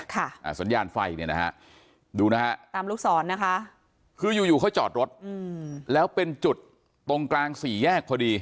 อ่าสัญญาณไฟเนี่ยนะฮะดูนะฮะตามลูกศรนะคะคืออยู่อยู่เขาจอดรถอืมแล้วเป็นจุดตรงกลางสี่แยกพอดี